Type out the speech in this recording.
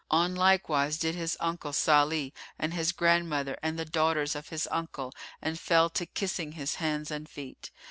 On like wise did his uncle Salih and his grandmother and the daughters of his uncle and fell to kissing his hands and feet.